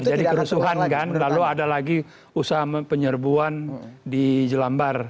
terjadi kerusuhan kan lalu ada lagi usaha penyerbuan di jelambar